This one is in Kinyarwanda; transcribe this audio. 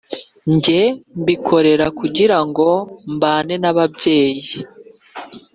njywe mbikorera kugirango mbane nababyeyi